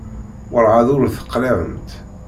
Werɛad ur teqliɛemt?